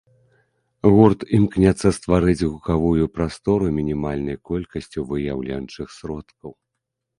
Гурт імкнецца стварыць гукавую прастору мінімальнай колькасцю выяўленчых сродкаў.